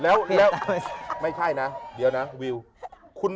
เอาไหม